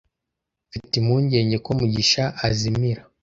Mfite impungenge ko mugisha azimira